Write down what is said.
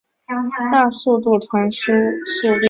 当适用的带宽更小时最大数据传输速率将会更低。